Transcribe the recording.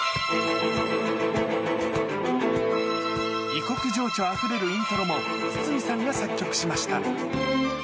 異国情緒あふれるイントロも、筒美さんが作曲しました。